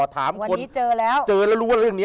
วันนี้เจอแล้ว